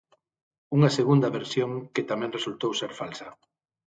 Unha segunda versión que tamén resultou ser falsa.